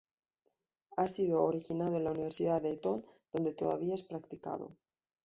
Ha sido originado en la Universidad de Eton donde todavía es practicado.